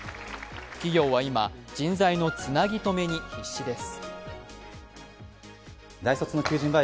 企業は今、人材のつなぎ止めに必死です。